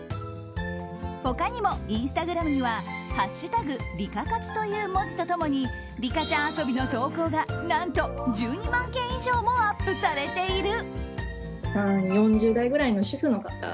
他にもインスタグラムには「＃リカ活」という文字と共にリカちゃん遊びの投稿が何と１２万件以上もアップされている。